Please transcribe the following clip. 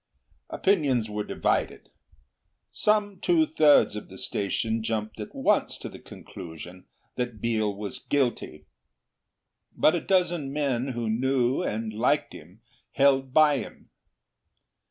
Opinions were divided. Some two thirds of the station jumped at once to the conclusion that Biel was guilty; but a dozen men who knew and liked him held by him.